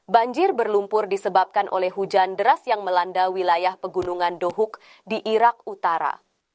banjir berlumpur disebabkan oleh hujan deras yang melanda wilayah pegunungan dohuk di irak utara